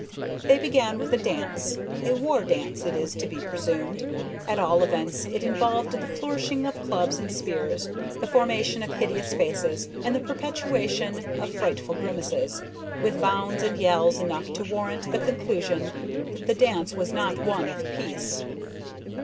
They began with a dance a war dance it is to be presumed at all events it involved the flourishing of clubs and spears, the formation of hideous faces, and the perpetration of frightful grimaces, with bounds and yells enough to warrant the conclusion that the dance was not one of peace.